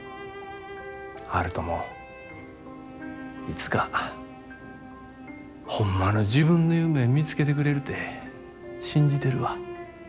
悠人もいつかホンマの自分の夢見つけてくれるて信じてるわ。